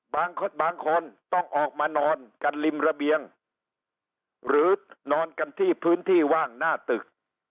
บางคนต้องออกมานอนกันริมระเบียงหรือนอนกันที่พื้นที่ว่างหน้าตึก